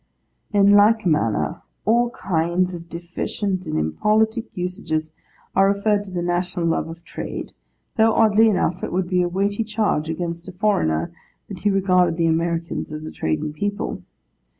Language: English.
In like manner, all kinds of deficient and impolitic usages are referred to the national love of trade; though, oddly enough, it would be a weighty charge against a foreigner that he regarded the Americans as a trading people.